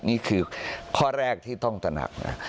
นี่คือข้อแรกที่ต้องตนับนะฮะ